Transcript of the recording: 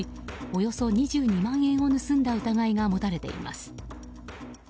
およそ２２万円を盗んだ疑いが持たれています。